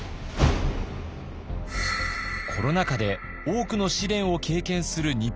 コロナ禍で多くの試練を経験する日本。